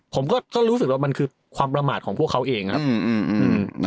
ผมก็รู้สึกว่ามันคือความประมาทของพวกเขาเองครับ